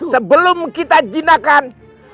sebelum kita jinahkan